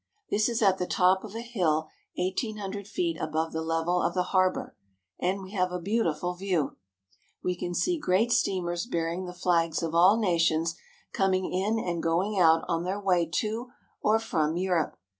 This is at the top of a hill eighteen hundred feet above the level of the harbor, and we have a beautiful view. We can see great steamers bearing the flags of all nations coming in and going out on their way to or from Europe.